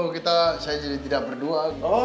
kita saya jadi tidak berdua